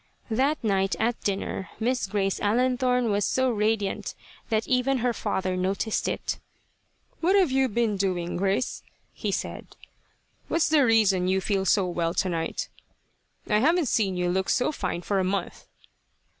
That night at dinner Miss Grace Allenthorne, was so radiant that even her father noticed it. "What have you been doing, Grace?" he said. "What's the reason you feel so well, tonight? I havn't seen you look so fine for a month."